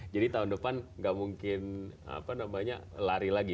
jadi tahun depan nggak mungkin lari lagi